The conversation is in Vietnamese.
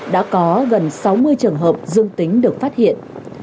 đã có gần sáu mươi trường hợp dương tính được phát hiện